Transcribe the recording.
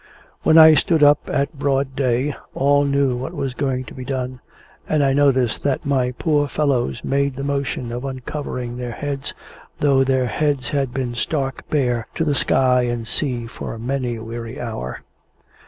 When I stood up at broad day, all knew what was going to be done, and I noticed that my poor fellows made the motion of uncovering their heads, though their heads had been stark bare to the sky and sea for many a weary hour.